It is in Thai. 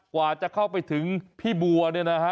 กว่าจะเข้าไปถึงพี่บัวเนี่ยนะฮะ